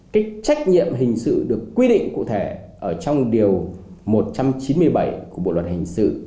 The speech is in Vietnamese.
cái trách nhiệm hình sự được quy định cụ thể ở trong điều một trăm chín mươi bảy của bộ luật hình sự